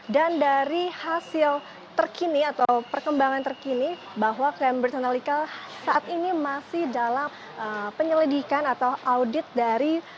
dan dari hasil terkini atau perkembangan terkini bahwa cambridge analytical saat ini masih dalam penyelidikan atau audit dari